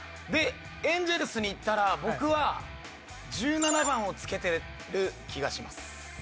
でエンゼルスに行ったら僕は１７番をつけてる気がします